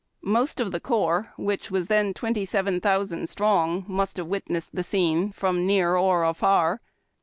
Most of the corps, which was then twenty seven thousand strong, must have wit nessed the scene, from near or afar.